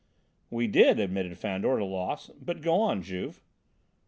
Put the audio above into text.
"We did," admitted Fandor, at a loss, "but go on, Juve."